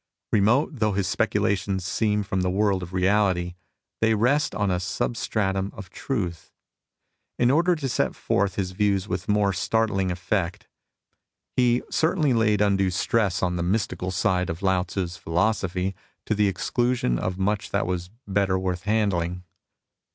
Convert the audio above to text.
Remote though his speculations seem from the world of reality, they rest on a substratum of truth. In order to set forth his views with more startling effect, he certainly 22 MUSINGS OF A CHINESE MYSTIC laid undue stress on the mystical side of Lao Tzu's philosophy, to the exclusion of much that was better worth handling.